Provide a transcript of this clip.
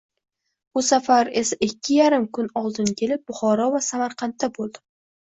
Bu safar esa ikki yarim kun oldin kelib, Buxoro va Samarqandda boʻldim.